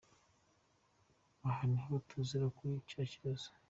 Aha niho tuzira kuri cya kibazo.